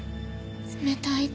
冷たい手。